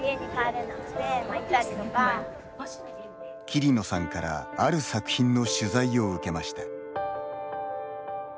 桐野さんからある作品の取材を受けました。